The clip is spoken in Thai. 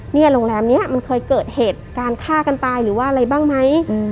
โรงแรมนี้มันเคยเกิดเหตุการณ์ฆ่ากันตายหรือว่าอะไรบ้างไหม